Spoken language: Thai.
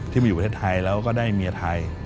มาอยู่ประเทศไทยแล้วก็ได้เมียไทย